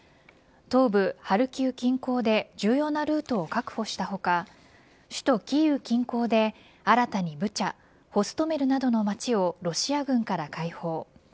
東部・ハルキウ近郊で重要なルートを確保した他首都・キーウ近郊で新たにブチャゴストメリなどの町をロシア軍から解放。